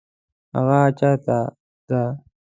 هغه چیرته ده؟